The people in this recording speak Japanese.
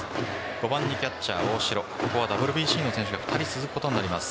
５番にキャッチャー・大城ＷＢＣの選手が２人続くことになります。